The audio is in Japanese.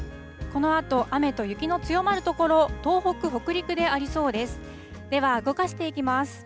このあと、雨と雪の強まる所、東北、北陸でありそうです。